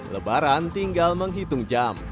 lebaran tinggal menghitung jam